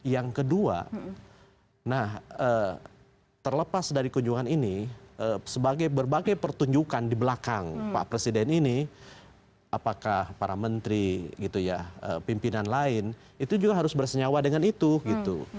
yang kedua nah terlepas dari kunjungan ini sebagai berbagai pertunjukan di belakang pak presiden ini apakah para menteri gitu ya pimpinan lain itu juga harus bersenyawa dengan itu gitu